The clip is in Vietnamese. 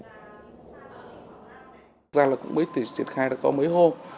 thật ra là cũng mới triển khai được có mấy hôm